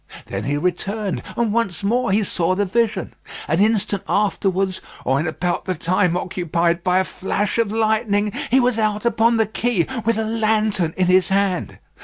Then he returned, and once more he saw the vision. An instant afterwards, or in about the time occupied by a flash of lightning, he was out upon the quay, with a lantern in his hand.